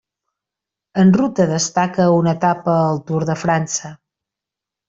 En ruta destaca una etapa al Tour de França.